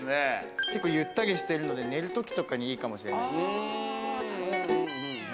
結構ゆったりしているので、寝るときとかにいいかもしれません。